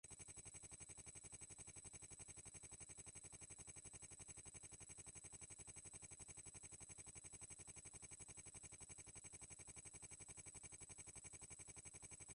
organolítio, organoborano, organocádmio, organoberílio, organomagnésio